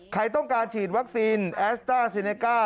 ใครต้องการฉีดวัคซีนแอสต้าซีเนก้า